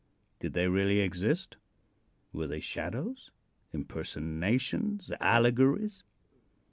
Did they really exist? Were they shadows, impersonations, allegories?